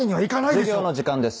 授業の時間です